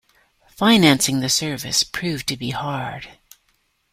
Financing the service proved to be hard.